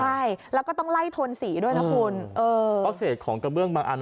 ใช่แล้วก็ต้องไล่โทนสีด้วยเขาเสร็จของกระเบื้องบางอัน